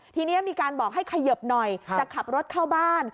ทีนี้มีการบอกให้เขยิบหน่อยจะขับรถเข้าบ้าน